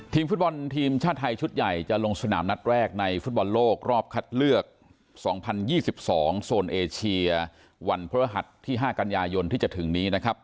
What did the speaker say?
ทีมฟุตบอลทีมชาติไทยชุดใหญ่จะลงสนามนัดแรกในฟุตบอลโลกรอบคัดเลือกสองพันยี่สิบสองโซนเอเชียวันพระหัดที่ห้ากัญญายนที่จะถึงนี้นะครับ